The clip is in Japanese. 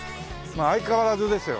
相変わらずですよ